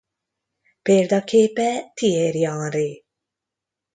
Példaképe Thierry Henry.